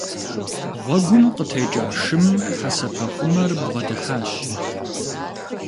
Гъуэгум къытекӀа шым хьэсэпэхъумэр бгъэдыхьащ.